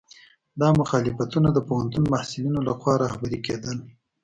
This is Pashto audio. دا مخالفتونه د پوهنتون محصلینو لخوا رهبري کېدل.